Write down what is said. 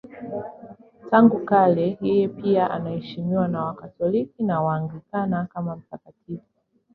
Tangu kale yeye pia anaheshimiwa na Wakatoliki na Waanglikana kama mtakatifu.